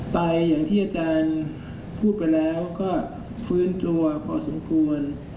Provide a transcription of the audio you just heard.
ไปอย่างที่อาจารย์พูดไปแล้วก็ฟื้นตัวพอสมควร